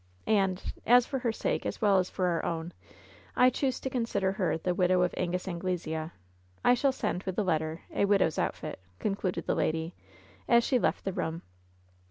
And — as for her sake as well as for our own, I choose to consider her the widow of Angus Anglesea — I shall send with the letter a widow's outfit," concluded the lady, as she left the room.